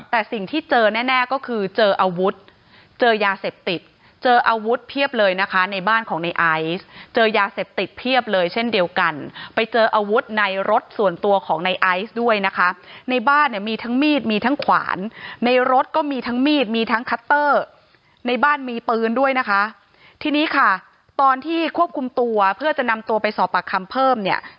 แต่สิ่งที่เจอแน่แน่ก็คือเจออาวุธเจอยาเสพติดเจออาวุธเพียบเลยนะคะในบ้านของในไอซ์เจอยาเสพติดเพียบเลยเช่นเดียวกันไปเจออาวุธในรถส่วนตัวของในไอซ์ด้วยนะคะในบ้านเนี่ยมีทั้งมีดมีทั้งขวานในรถก็มีทั้งมีดมีทั้งคัตเตอร์ในบ้านมีปืนด้วยนะคะทีนี้ค่ะตอนที่ควบคุมตัวเพื่อจะนำตัวไปสอบปากคำเพิ่มเนี่ย